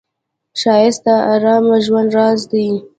ښایست د آرام ژوند راز دی